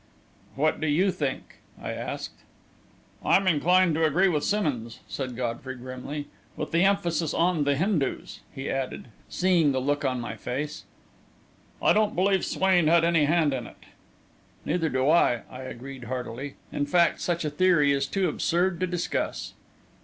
"What do you think?" I asked. "I'm inclined to agree with Simmonds," said Godfrey, grimly. "With the emphasis on the Hindus," he added, seeing the look on my face, "I don't believe Swain had any hand in it." "Neither do I," I agreed, heartily. "In fact, such a theory is too absurd to discuss."